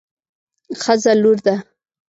ښځه لور ده